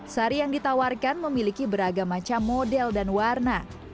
sari yang ditawarkan memiliki beragam macam model dan warna